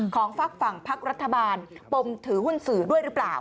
ฝากฝั่งพักรัฐบาลปมถือหุ้นสื่อด้วยหรือเปล่า